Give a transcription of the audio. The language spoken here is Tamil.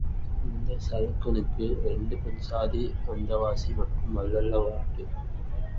இந்தச் சளுக்கனுக்கு இரண்டு பெண்சாதி வந்தவாசி மட்டும் வல்ல வாட்டு.